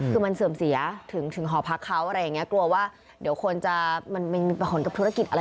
คือมันเสื่อมเสียถึงฮอพักเขากลัวว่าเดี๋ยวคนจะมันบ